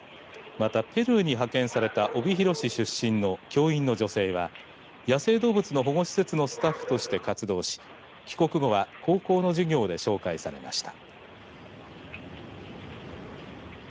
また、ペルーに派遣された帯広市出身の教員の女性は野生動物の保護施設のスタッフとして活動し帰国後は高校の授業で紹介されました。